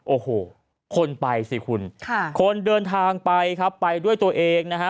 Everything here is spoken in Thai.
โอ้โหคนไปสิคุณค่ะคนเดินทางไปครับไปด้วยตัวเองนะฮะ